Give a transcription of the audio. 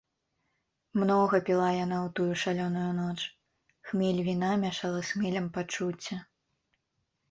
Многа піла яна ў тую шалёную ноч, хмель віна мяшала з хмелем пачуцця.